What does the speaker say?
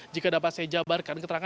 jika dapat saya jabarkan